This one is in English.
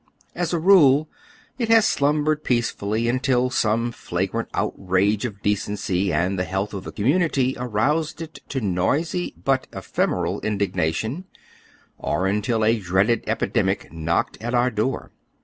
As a rule, it has slumbered peacefully imtil some flagrant outrage on decency and the health of the community aroused it to noisy but ephemeral indigna tion, or until a dreaded epidemic knocked at our door.